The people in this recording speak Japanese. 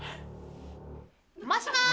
もしもーし。